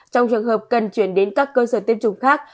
trong trường hợp cần chuyển đến các cơ sở tiêm chủng khác